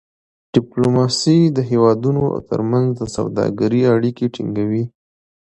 ډيپلوماسي د هېوادونو ترمنځ د سوداګری اړیکې ټینګوي.